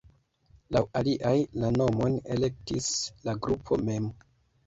Laŭ aliaj la nomon elektis la grupo mem.